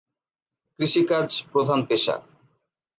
কৃষি কাজ প্রধান পেশা।